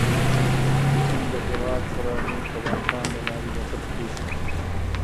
د چین هېواد سره موږ د واخان دلاري وصل کېږو.